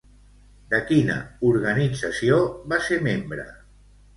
De quina organització va ser membre?